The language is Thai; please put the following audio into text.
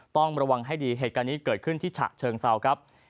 ต้องระวังให้ดีเหตุการณ์นี้เกิดขึ้นที่ฉะเชิงเซาครับ